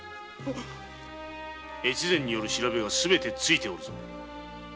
大岡により調べはすべてついておるぞ！